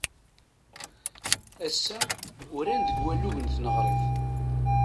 Ass-a, uran deg walug n tneɣrit.